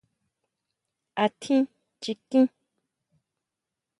¿Átjín chikín?